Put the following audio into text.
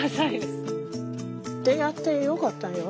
出会ってよかったよ。